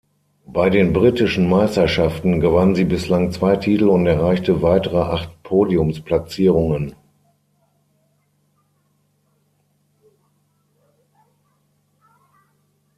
Bei den Britischen Meisterschaften gewann sie bislang zwei Titel und erreichte weitere acht Podiumsplatzierungen.